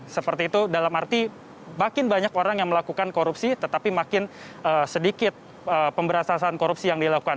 seperti itu dalam arti makin banyak orang yang melakukan korupsi tetapi makin sedikit pemberantasan korupsi yang dilakukan